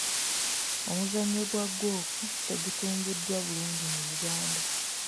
Omuzannyo gwa ggoofu tegutumbuddwa bulungi mu Uganda.